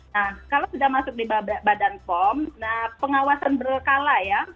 nah kalau sudah masuk di badan pom pengawasan berkala ya